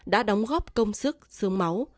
đã đóng góp công sức sương máu